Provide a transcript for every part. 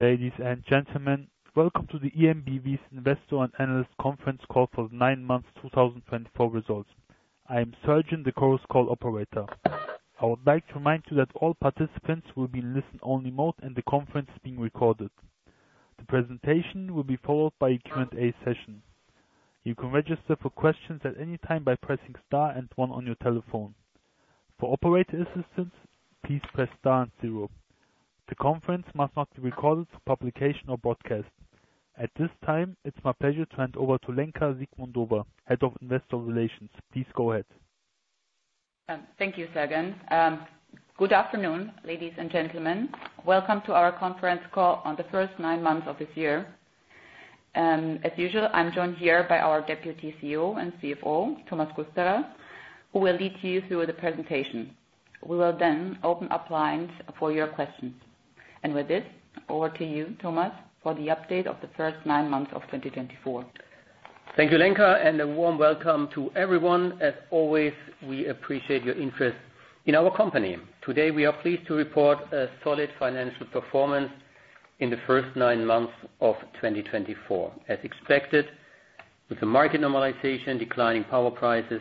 Ladies and gentlemen, welcome to the EnBW's Investor and Analyst Conference Call for the Nine Months 2024 Results. I am Sergeant, the Chorus Call operator. I would like to remind you that all participants will be in listen-only mode, and the conference is being recorded. The presentation will be followed by a Q&A session. You can register for questions at any time by pressing star and one on your telephone. For operator assistance, please press star and zero. The conference must not be recorded for publication or broadcast. At this time, it's my pleasure to hand over to Lenka Zikmundova, Head of Investor Relations. Please go ahead. Thank you, Sergeant. Good afternoon, ladies and gentlemen. Welcome to our conference call on the first nine months of this year. As usual, I'm joined here by our Deputy CEO and CFO, Thomas Kusterer, who will lead you through the presentation. We will then open up lines for your questions, and with this, over to you, Thomas, for the update of the first nine months of 2024. Thank you, Lenka, and a warm welcome to everyone. As always, we appreciate your interest in our company. Today, we are pleased to report a solid financial performance in the first nine months of 2024. As expected, with the market normalization, declining power prices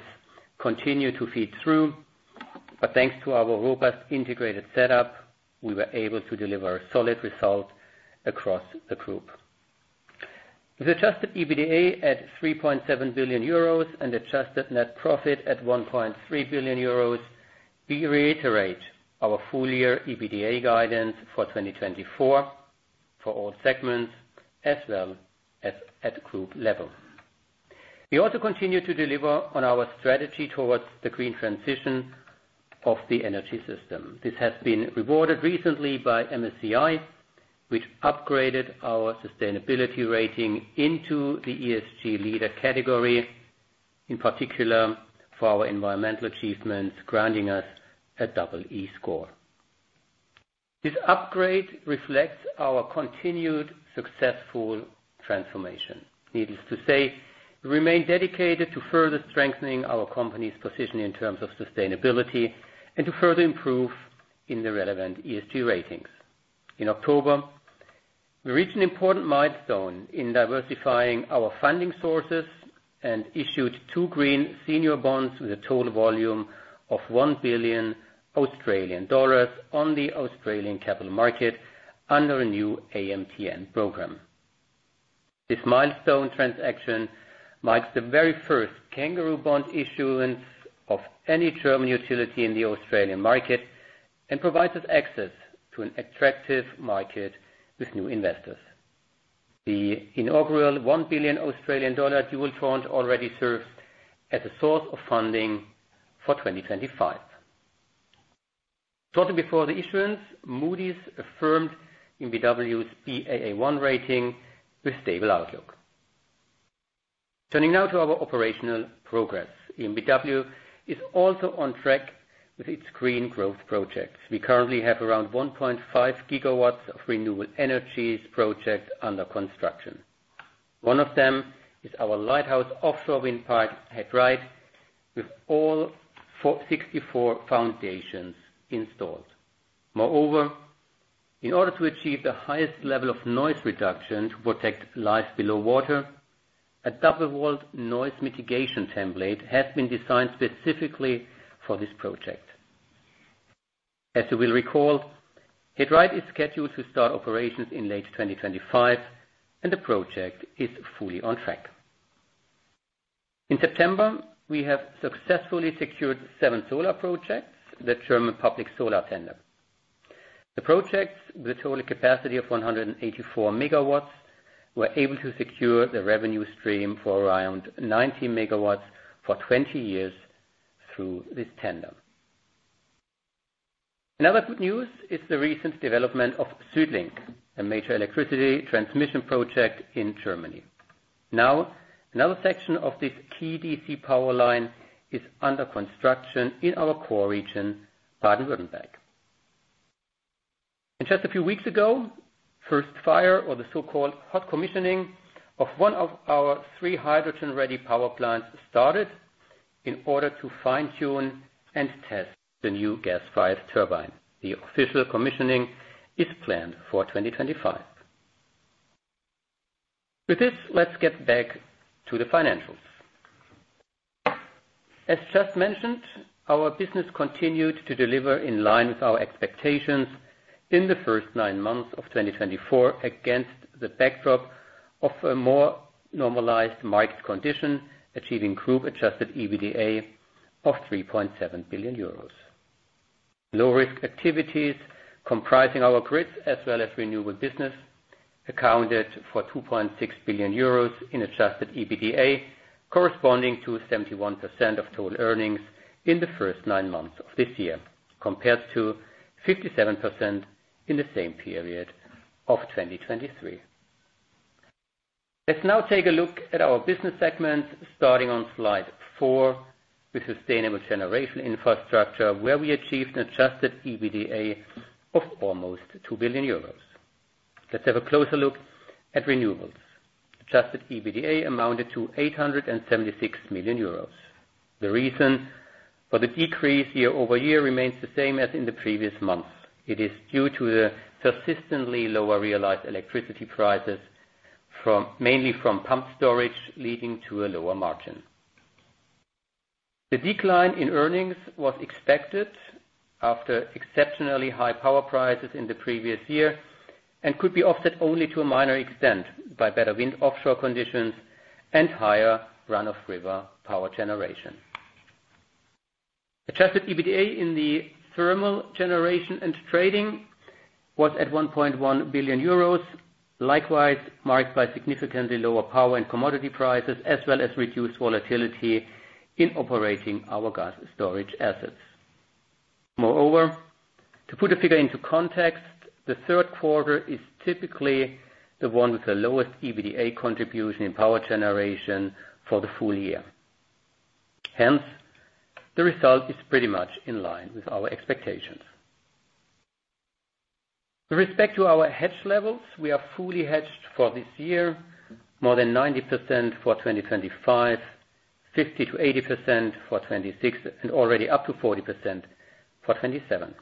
continue to feed through. But thanks to our robust integrated setup, we were able to deliver a solid result across the group. With adjusted EBITDA at 3.7 billion euros and adjusted net profit at 1.3 billion euros, we reiterate our full-year EBITDA guidance for 2024 for all segments, as well as at group level. We also continue to deliver on our strategy towards the green transition of the energy system. This has been rewarded recently by MSCI, which upgraded our sustainability rating into the ESG leader category, in particular for our environmental achievements, granting us a double E score. This upgrade reflects our continued successful transformation. Needless to say, we remain dedicated to further strengthening our company's position in terms of sustainability and to further improve in the relevant ESG ratings. In October, we reached an important milestone in diversifying our funding sources and issued two green senior bonds with a total volume of EUR 1 billion on the Australian capital market under a new AMTN program. This milestone transaction marks the very first kangaroo bond issuance of any German utility in the Australian market and provides us access to an attractive market with new investors. The inaugural EUR 1 billion dual tranche already serves as a source of funding for 2025. Shortly before the issuance, Moody's affirmed EnBW's Baa1 rating with stable outlook. Turning now to our operational progress, EnBW is also on track with its green growth projects. We currently have around 1.5 GW of renewable energies projects under construction. One of them is our lighthouse offshore wind park at He Dreiht, with all 64 foundations installed. Moreover, in order to achieve the highest level of noise reduction to protect life below water, a double-walled noise mitigation template has been designed specifically for this project. As you will recall, He Dreiht is scheduled to start operations in late 2025, and the project is fully on track. In September, we have successfully secured seven solar projects with a German public solar tender. The projects, with a total capacity of 184 MW, were able to secure the revenue stream for around 90 megawatts for 20 years through this tender. Another good news is the recent development of SuedLink, a major electricity transmission project in Germany. Now, another section of this key DC power line is under construction in our core region, Baden-Württemberg. Just a few weeks ago, first fire, or the so-called hot commissioning of one of our three hydrogen-ready power plants, started in order to fine-tune and test the new gas-fired turbine. The official commissioning is planned for 2025. With this, let's get back to the financials. As just mentioned, our business continued to deliver in line with our expectations in the first nine months of 2024, against the backdrop of a more normalized market condition, achieving group-adjusted EBITDA of 3.7 billion euros. Low-risk activities comprising our grids, as well as renewable business, accounted for 2.6 billion euros in adjusted EBITDA, corresponding to 71% of total earnings in the first nine months of this year, compared to 57% in the same period of 2023. Let's now take a look at our business segments, starting on slide 4, with sustainable generation infrastructure, where we achieved an adjusted EBITDA of almost 2 billion euros. Let's have a closer look at renewables. Adjusted EBITDA amounted to 876 million euros. The reason for the decrease year over year remains the same as in the previous months. It is due to the persistently lower realized electricity prices, mainly from pumped storage, leading to a lower margin. The decline in earnings was expected after exceptionally high power prices in the previous year and could be offset only to a minor extent by better wind-offshore conditions and higher run-of-river power generation. Adjusted EBITDA in the thermal generation and trading was at 1.1 billion euros, likewise marked by significantly lower power and commodity prices, as well as reduced volatility in operating our gas storage assets. Moreover, to put the figure into context, the third quarter is typically the one with the lowest EBITDA contribution in power generation for the full year. Hence, the result is pretty much in line with our expectations. With respect to our hedge levels, we are fully hedged for this year, more than 90% for 2025, 50%-80% for 2026, and already up to 40% for 2027.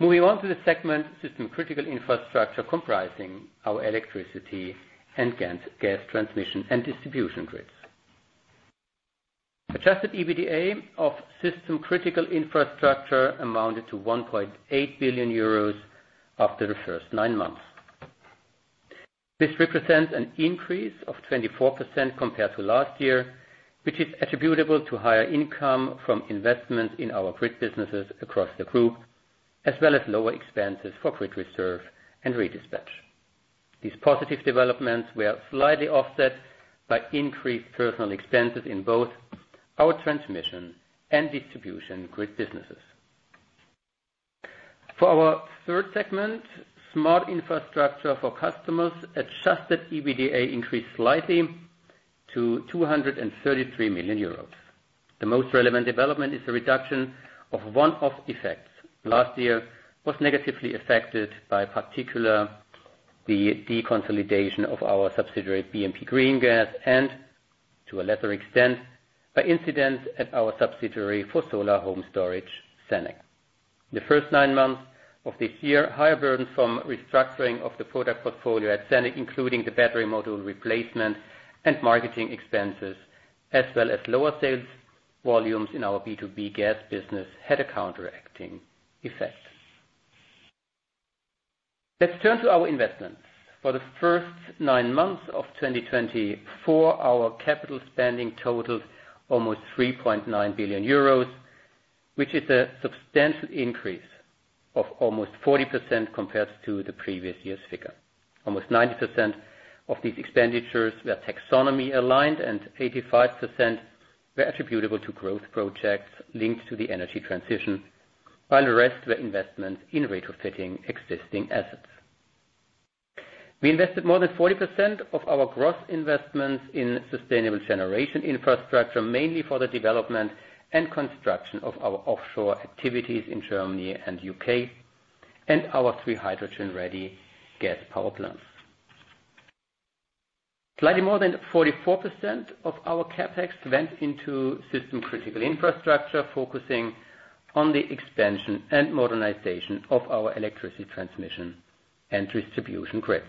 Moving on to the segment system-critical infrastructure comprising our electricity and gas transmission and distribution grids. Adjusted EBITDA of system-critical infrastructure amounted to 1.8 billion euros after the first nine months. This represents an increase of 24% compared to last year, which is attributable to higher income from investments in our grid businesses across the group, as well as lower expenses for grid reserve and redispatch. These positive developments were slightly offset by increased personnel expenses in both our transmission and distribution grid businesses. For our third segment, smart infrastructure for customers, adjusted EBITDA increased slightly to 233 million euros. The most relevant development is the reduction of one of the effects. Last year was negatively affected by particularly the deconsolidation of our subsidiary BMP Greengas and, to a lesser extent, by incidents at our subsidiary for solar home storage, SENEC. In the first nine months of this year, higher burdens from restructuring of the product portfolio at SENEC, including the battery module replacement and marketing expenses, as well as lower sales volumes in our B2B gas business, had a counteracting effect. Let's turn to our investments. For the first nine months of 2024, our capital spending totaled almost 3.9 billion euros, which is a substantial increase of almost 40% compared to the previous year's figure. Almost 90% of these expenditures were taxonomy-aligned, and 85% were attributable to growth projects linked to the energy transition, while the rest were investments in retrofitting existing assets. We invested more than 40% of our gross investments in sustainable generation infrastructure, mainly for the development and construction of our offshore activities in Germany and the U.K., and our three hydrogen-ready gas power plants. Slightly more than 44% of our CapEx went into system-critical infrastructure, focusing on the expansion and modernization of our electricity transmission and distribution grids.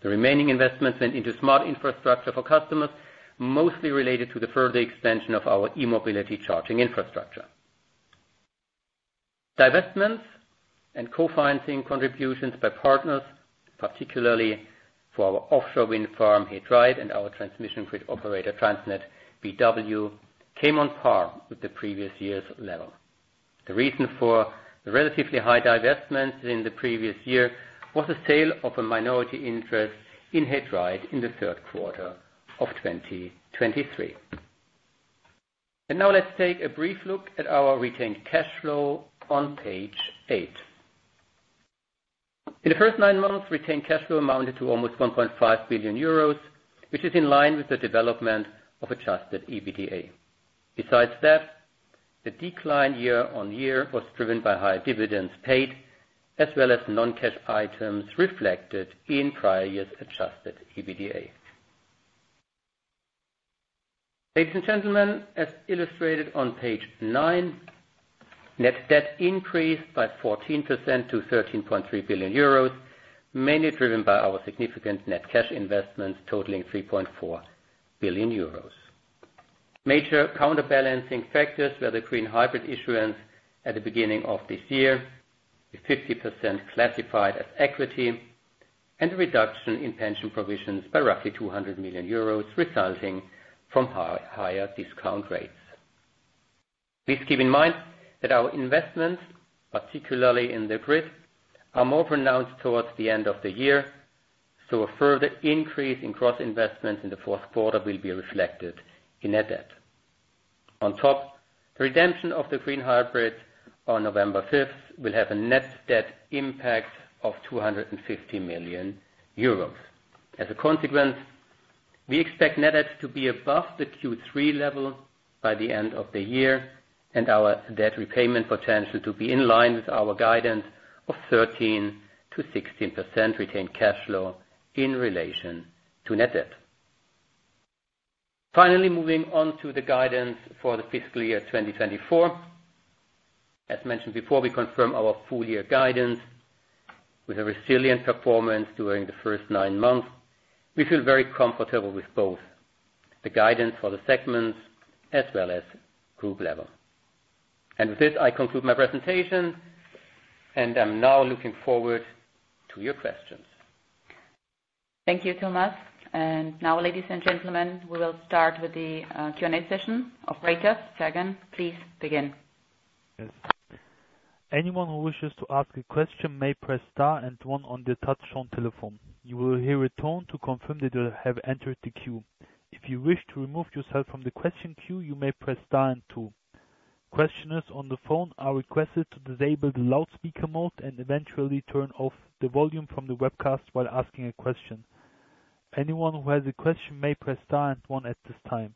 The remaining investments went into smart infrastructure for customers, mostly related to the further expansion of our e-mobility charging infrastructure. Divestments and co-financing contributions by partners, particularly for our offshore wind farm here at He Dreiht and our transmission grid operator, TransnetBW, came on par with the previous year's level. The reason for the relatively high divestments in the previous year was the sale of a minority interest in He Dreiht in the third quarter of 2023, and now, let's take a brief look at our retained cash flow on page eight. In the first nine months, retained cash flow amounted to almost 1.5 billion euros, which is in line with the development of adjusted EBITDA. Besides that, the decline year on year was driven by higher dividends paid, as well as non-cash items reflected in prior year's adjusted EBITDA. Ladies and gentlemen, as illustrated on page nine, net debt increased by 14% to 13.3 billion euros, mainly driven by our significant net cash investments totaling 3.4 billion euros. Major counterbalancing factors were the green hybrid issuance at the beginning of this year, with 50% classified as equity, and a reduction in pension provisions by roughly 200 million euros, resulting from higher discount rates. Please keep in mind that our investments, particularly in the grid, are more pronounced towards the end of the year, so a further increase in gross investments in the fourth quarter will be reflected in net debt. On top, the redemption of the green hybrid on November 5th will have a net debt impact of 250 million euros. As a consequence, we expect net debt to be above the Q3 level by the end of the year and our debt repayment potential to be in line with our guidance of 13%-16% retained cash flow in relation to net debt. Finally, moving on to the guidance for the fiscal year 2024. As mentioned before, we confirm our full-year guidance. With a resilient performance during the first nine months, we feel very comfortable with both the guidance for the segments as well as group level. And with this, I conclude my presentation, and I'm now looking forward to your questions. Thank you, Thomas. And now, ladies and gentlemen, we will start with the Q&A session of EnBW's. Sergeant, please begin. Anyone who wishes to ask a question may press star and one on the touchtone telephone. You will hear a tone to confirm that you have entered the queue. If you wish to remove yourself from the question queue, you may press star and two. Questioners on the phone are requested to disable the loudspeaker mode and eventually turn off the volume from the webcast while asking a question. Anyone who has a question may press star and one at this time.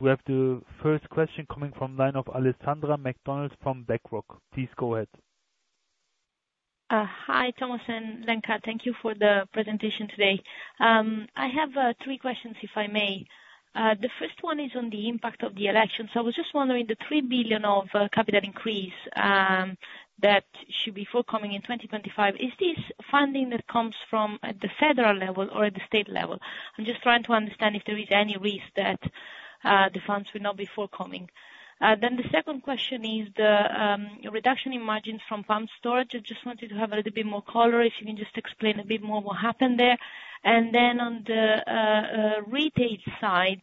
We have the first question coming from the line of Alessandra Mac Donald from BlackRock. Please go ahead. Hi, Thomas and Lenka. Thank you for the presentation today. I have three questions, if I may. The first one is on the impact of the elections. I was just wondering, the 3 billion capital increase that should be forthcoming in 2025, is this funding that comes from the federal level or at the state level? I'm just trying to understand if there is any risk that the funds will not be forthcoming. Then the second question is the reduction in margins from pumped storage. I just wanted to have a little bit more color. If you can just explain a bit more what happened there. And then on the retail side,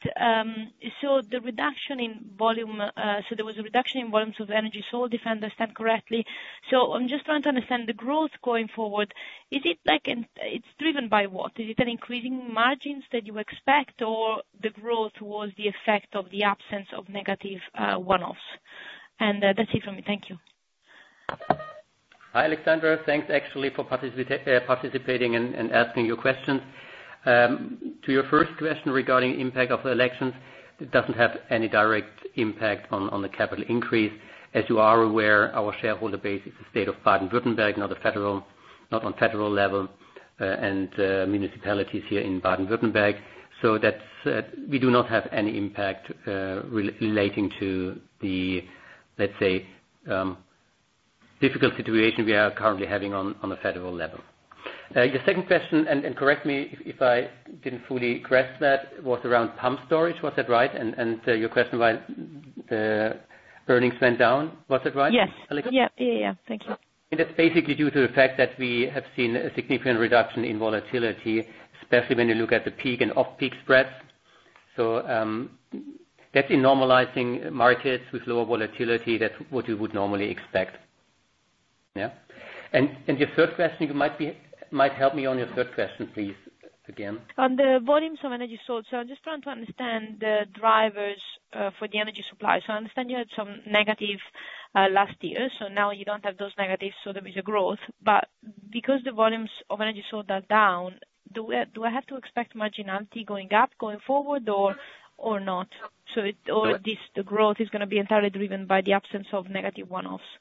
so the reduction in volume, so there was a reduction in volumes of energy, so if I understand correctly. So I'm just trying to understand the growth going forward. Is it like it's driven by what? Is it an increasing margins that you expect, or the growth was the effect of the absence of negative one-offs? And that's it from me. Thank you. Hi, Alessandra. Thanks, actually, for participating and asking your questions. To your first question regarding the impact of the elections, it doesn't have any direct impact on the capital increase. As you are aware, our shareholder base is the state of Baden-Württemberg, not on federal level, and municipalities here in Baden-Württemberg. So we do not have any impact relating to the, let's say, difficult situation we are currently having on the federal level. Your second question, and correct me if I didn't fully grasp that, was around pumped storage. Was that right? And your question why the earnings went down, was that right? Yes. Yeah, yeah, yeah. Thank you. And that's basically due to the fact that we have seen a significant reduction in volatility, especially when you look at the peak and off-peak spreads. So that's in normalizing markets with lower volatility. That's what you would normally expect. Yeah. And your third question, you might help me on your third question, please, again. On the volumes of energy sold, so I'm just trying to understand the drivers for the energy supply. So I understand you had some negative last year, so now you don't have those negatives, so there is a growth. But because the volumes of energy sold are down, do I have to expect marginality going up going forward or not? So the growth is going to be entirely driven by the absence of negative one-offs?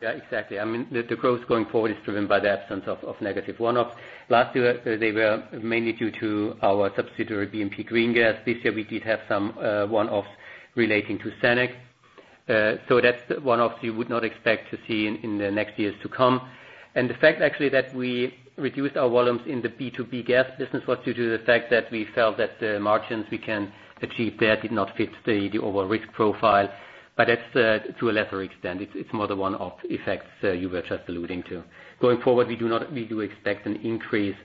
Yeah, exactly. I mean, the growth going forward is driven by the absence of negative one-offs. Last year, they were mainly due to our subsidiary BMP Greengas. This year, we did have some one-offs relating to SENEC. So that's one-offs you would not expect to see in the next years to come. And the fact, actually, that we reduced our volumes in the B2B gas business was due to the fact that we felt that the margins we can achieve there did not fit the overall risk profile. But that's to a lesser extent. It's more the one-off effects you were just alluding to. Going forward, we do expect an increase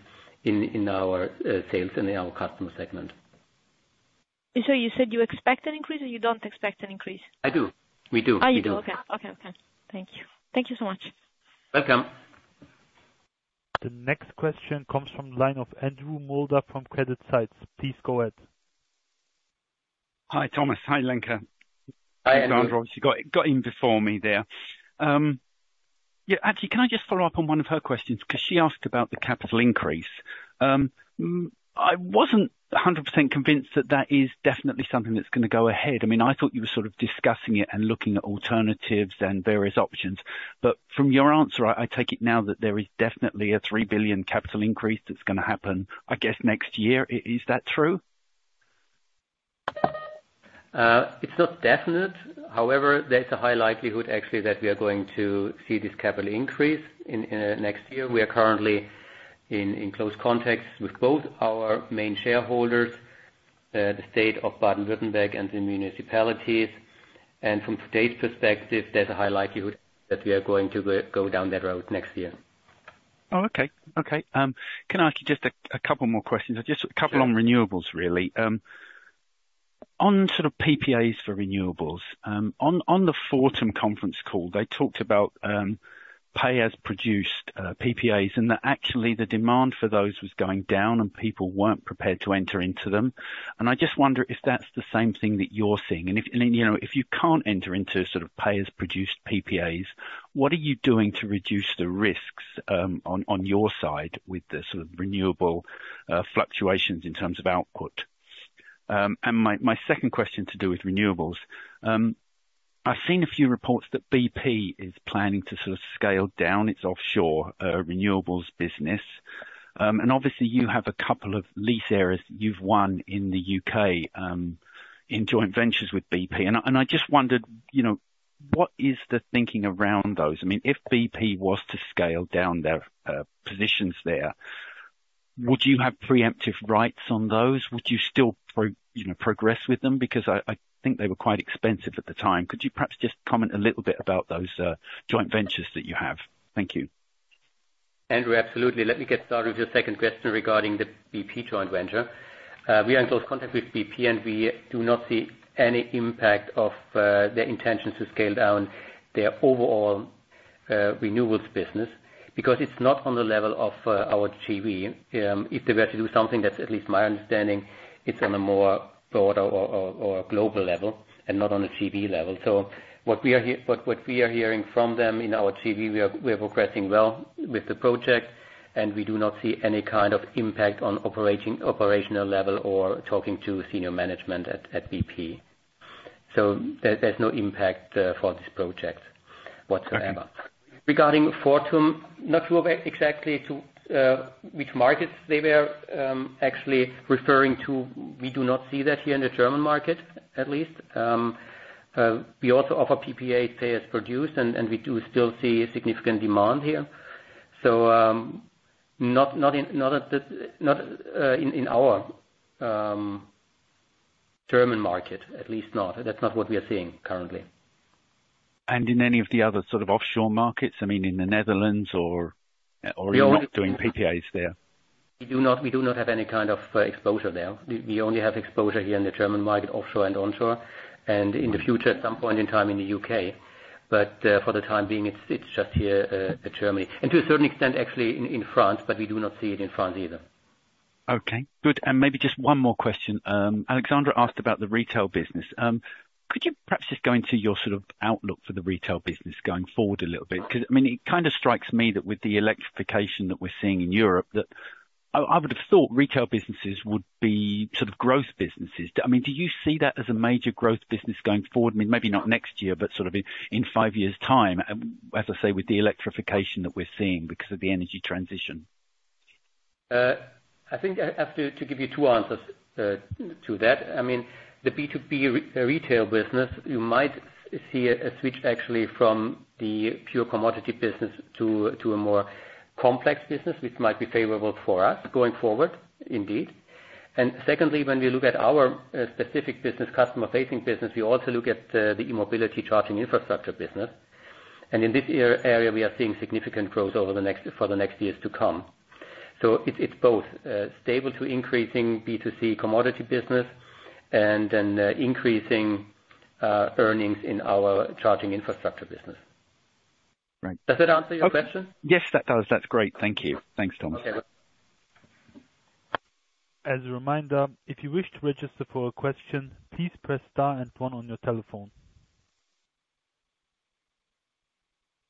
in our sales and in our customer segment. So you said you expect an increase or you don't expect an increase? I do. We do. We do. Okay, okay, okay. Thank you. Thank you so much. Welcome. The next question comes from the line of Andrew Moulder from CreditSights. Please go ahead. Hi, Thomas. Hi, Lenka. Hi, Alessandra. She got in before me there. Yeah, actually, can I just follow up on one of her questions? Because she asked about the capital increase. I wasn't 100% convinced that that is definitely something that's going to go ahead. I mean, I thought you were sort of discussing it and looking at alternatives and various options. But from your answer, I take it now that there is definitely a 3 billion capital increase that's going to happen, I guess, next year. Is that true? It's not definite. However, there's a high likelihood, actually, that we are going to see this capital increase in the next year. We are currently in close contact with both our main shareholders, the state of Baden-Württemberg, and the municipalities. And from today's perspective, there's a high likelihood that we are going to go down that road next year. Oh, okay. Okay. Can I ask you just a couple more questions? Just a couple on renewables, really. On sort of PPAs for renewables, on the Fortum conference call, they talked about pay-as-produced PPAs, and that actually the demand for those was going down, and people weren't prepared to enter into them. And I just wonder if that's the same thing that you're seeing. And if you can't enter into sort of pay-as-produced PPAs, what are you doing to reduce the risks on your side with the sort of renewable fluctuations in terms of output? And my second question to do with renewables, I've seen a few reports that BP is planning to sort of scale down its offshore renewables business. And obviously, you have a couple of lease areas that you've won in the U.K. in joint ventures with BP. And I just wondered, what is the thinking around those? I mean, if BP was to scale down their positions there, would you have preemptive rights on those? Would you still progress with them? Because I think they were quite expensive at the time. Could you perhaps just comment a little bit about those joint ventures that you have? Thank you. Andrew, absolutely. Let me get started with your second question regarding the BP joint venture. We are in close contact with BP, and we do not see any impact of their intention to scale down their overall renewables business because it's not on the level of our GB. If they were to do something, that's at least my understanding, it's on a more broader or global level and not on a GB level. So, what we are hearing from them in our GB, we are progressing well with the project, and we do not see any kind of impact on operational level or talking to senior management at BP. So, there's no impact for this project whatsoever. Regarding Fortum, not sure exactly to which markets they were actually referring to. We do not see that here in the German market, at least. We also offer PPAs, pay-as-produced, and we do still see significant demand here. So, not in our German market, at least not. That's not what we are seeing currently. And in any of the other sort of offshore markets, I mean, in the Netherlands or Europe doing PPAs there? We do not have any kind of exposure there. We only have exposure here in the German market, offshore and onshore, and in the future at some point in time in the U.K., but for the time being, it's just here in Germany, and to a certain extent, actually, in France, but we do not see it in France either. Okay. Good, and maybe just one more question. Alessandra asked about the retail business. Could you perhaps just go into your sort of outlook for the retail business going forward a little bit? Because, I mean, it kind of strikes me that with the electrification that we're seeing in Europe, that I would have thought retail businesses would be sort of growth businesses. I mean, do you see that as a major growth business going forward? I mean, maybe not next year, but sort of in five years' time, as I say, with the electrification that we're seeing because of the energy transition. I think I have to give you two answers to that. I mean, the B2B retail business, you might see a switch actually from the pure commodity business to a more complex business, which might be favorable for us going forward, indeed. And secondly, when we look at our specific business, customer-facing business, we also look at the e-mobility charging infrastructure business. And in this area, we are seeing significant growth for the next years to come. So it's both stable to increasing B2C commodity business and then increasing earnings in our charging infrastructure business. Does that answer your question? Yes, that does. That's great. Thank you. Thanks, Thomas. Okay. As a reminder, if you wish to register for a question, please press star and one on your telephone.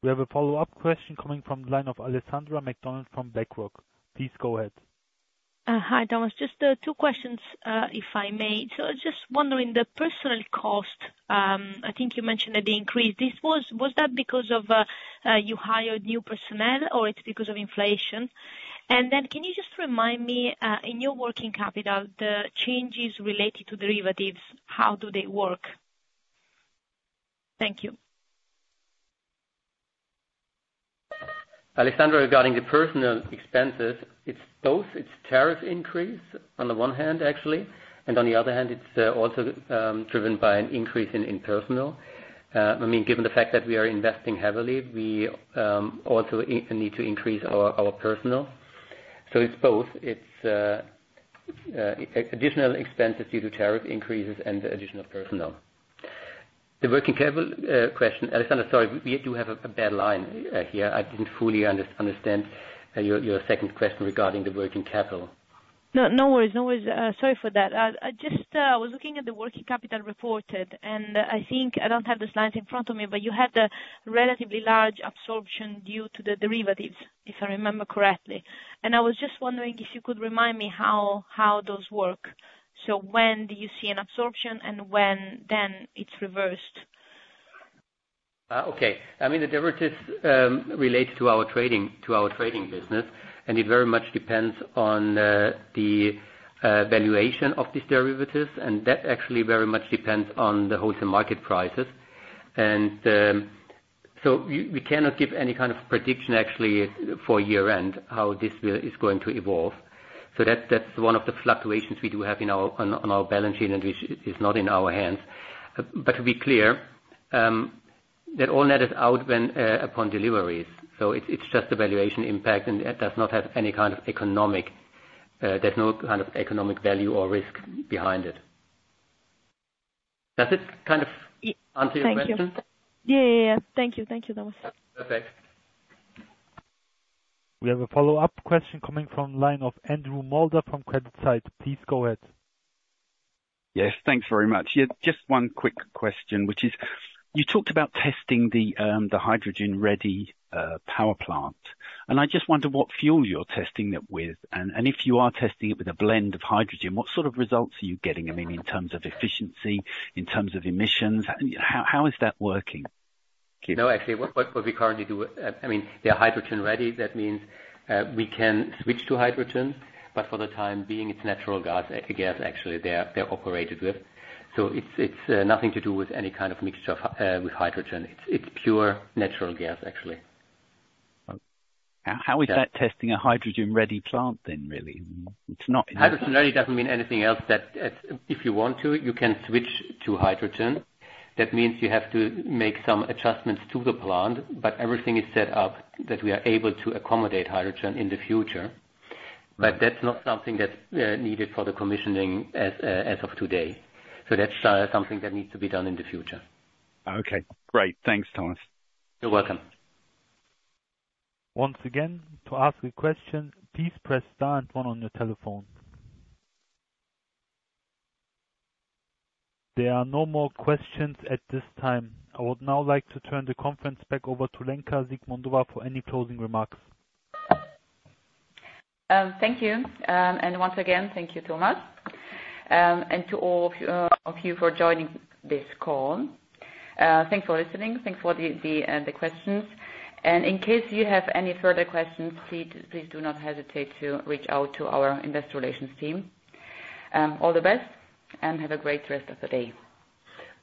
We have a follow-up question coming from the line of Alessandra Mac Donald from BlackRock. Please go ahead. Hi, Thomas. Just two questions, if I may. So just wondering, the personnel costs, I think you mentioned that the increase, was that because of you hired new personnel, or it's because of inflation? And then can you just remind me, in your working capital, the changes related to derivatives, how do they work? Thank you. Alessandra, regarding the personnel expenses, it's both. It's tariff increase on the one hand, actually, and on the other hand, it's also driven by an increase in personnel. I mean, given the fact that we are investing heavily, we also need to increase our personnel. So it's both. It's additional expenses due to tariff increases and the additional personnel. The working capital question, Alessandra. Sorry, we do have a bad line here. I didn't fully understand your second question regarding the working capital. No worries. No worries. Sorry for that. I was looking at the working capital reported, and I think I don't have the slides in front of me, but you had a relatively large absorption due to the derivatives, if I remember correctly, and I was just wondering if you could remind me how those work, so when do you see an absorption and when then it's reversed? Okay. I mean, the derivatives relate to our trading business, and it very much depends on the valuation of these derivatives, and that actually very much depends on the wholesale market prices. And so we cannot give any kind of prediction, actually, for year-end how this is going to evolve. So that's one of the fluctuations we do have on our balance sheet, and it's not in our hands. But to be clear, that all net is out upon deliveries. So it's just the valuation impact, and it does not have any kind of economic, there's no kind of economic value or risk behind it. Does it kind of answer your question? Yeah, yeah, yeah. Thank you. Thank you, Thomas. Perfect. We have a follow-up question coming from the line of Andrew Moulder from CreditSights. Please go ahead. Yes. Thanks very much. Just one quick question, which is, you talked about testing the hydrogen-ready power plant. I just wonder what fuel you're testing it with, and if you are testing it with a blend of hydrogen, what sort of results are you getting? I mean, in terms of efficiency, in terms of emissions, how is that working? No, actually, what we currently do, I mean, they're hydrogen-ready. That means we can switch to hydrogen, but for the time being, it's natural gas, actually, they're operated with. So it's nothing to do with any kind of mixture with hydrogen. It's pure natural gas, actually. How is that testing a hydrogen-ready plant, then, really? Hydrogen-ready doesn't mean anything else that if you want to, you can switch to hydrogen. That means you have to make some adjustments to the plant, but everything is set up that we are able to accommodate hydrogen in the future. But that's not something that's needed for the commissioning as of today. So that's something that needs to be done in the future. Okay. Great. Thanks, Thomas. You're welcome. Once again, to ask a question, please press star and one on your telephone. There are no more questions at this time. I would now like to turn the conference back over to Lenka Zikmundova for any closing remarks. Thank you. And once again, thank you so much. And to all of you for joining this call. Thanks for listening. Thanks for the questions. And in case you have any further questions, please do not hesitate to reach out to our investor relations team. All the best and have a great rest of the day.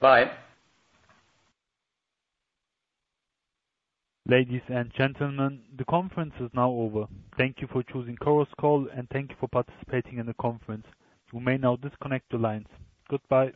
Bye. Ladies and gentlemen, the conference is now over. Thank you for choosing Chorus Call, and thank you for participating in the conference. You may now disconnect the lines. Goodbye.